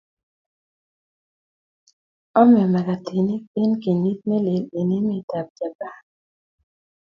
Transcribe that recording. Ame magatinik eng kenyit nelel eng emetab Japan